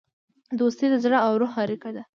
دوستي د زړه او روح اړیکه ده.